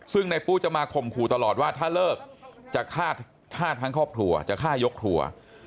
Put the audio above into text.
ซึ่งในปุ๊จะมาข่มขู่ตลอดว่าถ้าเลิกจะฆ่าทั้งครอบครัวจะฆ่ายกครัว